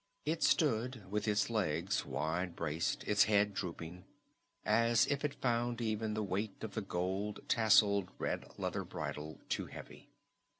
It stood with its legs wide braced, its head drooping, as if it found even the weight of the gold tasseled, red leather bridle too heavy.